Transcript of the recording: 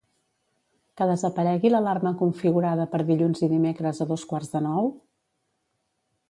Què desaparegui l'alarma configurada per dilluns i dimecres a dos quarts de nou?